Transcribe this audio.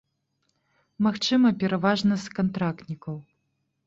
Магчыма, пераважна з кантрактнікаў.